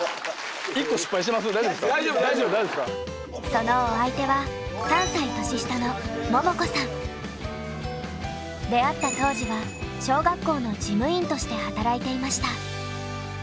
そのお相手は３歳年下の出会った当時は小学校の事務員として働いていました。